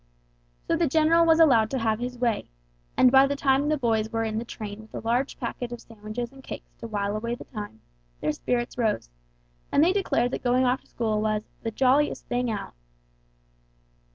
So the general was allowed to have his way, and by the time the boys were in the train with a large packet of sandwiches and cakes to while away the time, their spirits rose, and they declared that going off to school was "the jolliest thing out."